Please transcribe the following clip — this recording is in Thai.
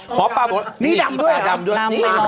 หมอปลาบอกนี่ดำด้วยนี่ดำด้วย